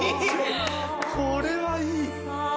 これはいい！